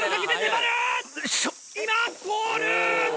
今ゴール！